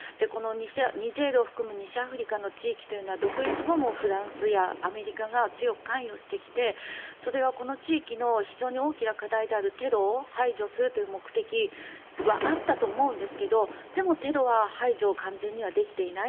ニジェールを含む西アフリカの地域というのは独立後もフランスやアメリカが強く関与してきてそれはこの地域の非常に大きな課題であるテロを排除するという目的はあったと思うんですがでも、テロの排除が完全にはできていない。